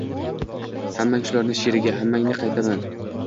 Hammang shularni sherigi, hammangni qamataman!